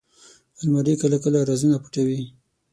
الماري کله کله رازونه پټوي